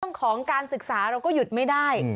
เรื่องของการศึกษาเราก็หยุดไม่ได้